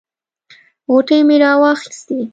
غوټې مې راواخیستې.